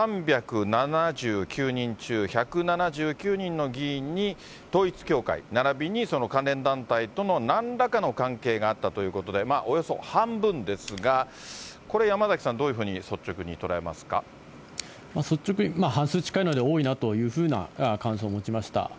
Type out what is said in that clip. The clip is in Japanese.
３７９人中１７９人の議員に統一教会ならびにその関連団体とのなんらかの関係があったということで、およそ半分ですが、これ、山崎さん、率直に、半数近いので多いなというふうな感想を持ちました。